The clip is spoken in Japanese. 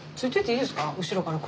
後ろから車。